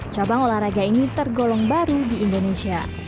cabang olahraga ini tergolong baru di indonesia